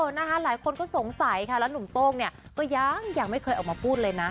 นะคะหลายคนก็สงสัยค่ะแล้วหนุ่มโต้งเนี่ยก็ยังไม่เคยออกมาพูดเลยนะ